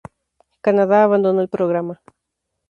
Canadá abandonó el programa.